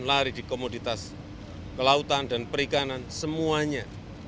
lari di komoditas kelautan dan perikanan semuanya